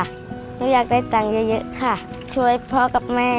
หนูอยากได้ตังค์เยอะค่ะช่วยพ่อกับแม่